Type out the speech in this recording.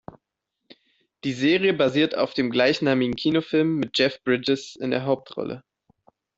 Die Serie basiert auf dem gleichnamigen Kinofilm mit Jeff Bridges in der Hauptrolle.